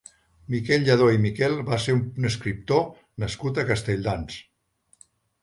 Miquel Lladó i Miquel va ser un escriptor nascut a Castelldans.